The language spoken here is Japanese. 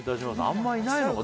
あんまりいないのかな。